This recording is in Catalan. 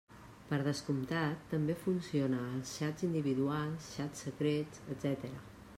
Per descomptat, també funciona als xats individuals, xats secrets, etc.